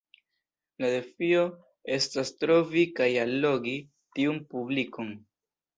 La defio estas trovi kaj allogi tiun publikon.